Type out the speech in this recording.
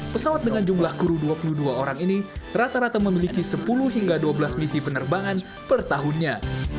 pesawat dengan jumlah kru dua puluh dua orang ini rata rata memiliki sepuluh hingga dua belas misi penerbangan per tahunnya